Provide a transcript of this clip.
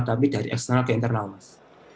tapi dari eksternal ke internal mas